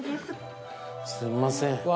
すんません。